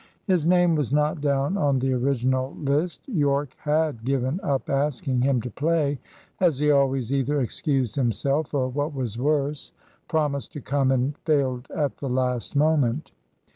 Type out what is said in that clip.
His name was not down on the original list. Yorke had given up asking him to play, as he always either excused himself, or, what was worse, promised to come and failed at the last moment.